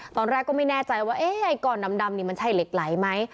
ตอนแรกก็ไม่แน่ใจว่าไอ้ก้อนดำนี่มันใช่เหล็กไหลไหม